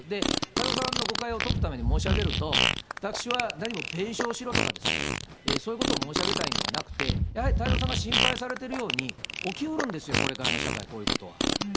太蔵さんの誤解を解くために申し上げると、私は何も弁償しろとか、そういうことを申し上げたいんではなくて、やはり太蔵さんが心配されてるように、起きうるんですよ、これからの社会、こういうこと。